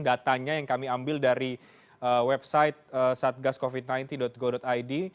datanya yang kami ambil dari website satgascovid sembilan puluh go id